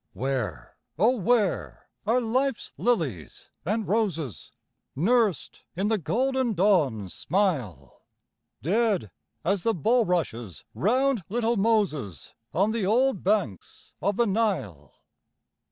Where, oh where are life's lilies and roses, Nursed in the golden dawn's smile? Dead as the bulrushes round little Moses, On the old banks of the Nile.